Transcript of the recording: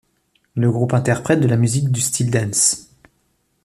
Le groupe interprète de la musique du style dance.